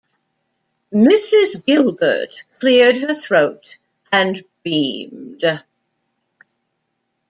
Mrs. Gilbert cleared her throat and beamed.